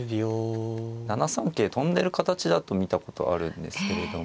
７三桂跳んでる形だと見たことあるんですけども。